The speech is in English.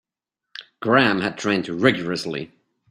Graham had trained rigourously.